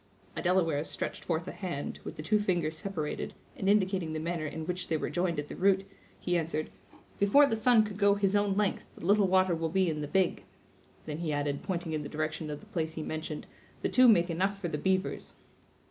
A Delaware stretched forth a hand, with the two fingers separated, and indicating the manner in which they were joined at the root, he answered: "Before the sun could go his own length, the little water will be in the big." Then he added, pointing in the direction of the place he mentioned, "the two make enough for the beavers."